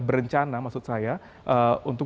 berencana maksud saya untuk